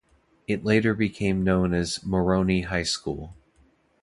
It later became known as Moroni High School.